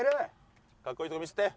かっこいいとこ見せて。